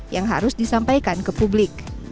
yang harus disampaikan ke publik